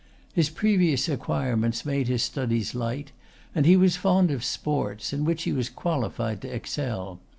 His previous acquirements made his studies light; and he was fond of sports, in which he was qualified to excel.